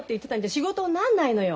仕事になんないのよ。